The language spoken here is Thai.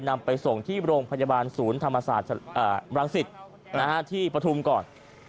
นำไปส่งที่โรงพยาบาลศูนย์ธรรมศาสตร์รังสิตที่ปฐุมก่อน